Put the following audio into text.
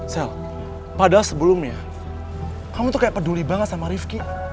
sel padahal sebelumnya kamu tuh kayak peduli banget sama rifki